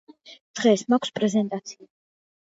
დღეს მაქვს პრეზენტაცია.